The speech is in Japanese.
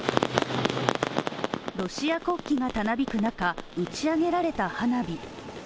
ロシア国旗がたなびく中打ち上げられた花火。